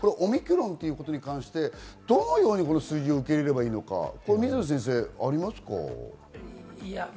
オミクロンということに関して、どのように数字を受け入れればいいのか、水野先生、ありますか？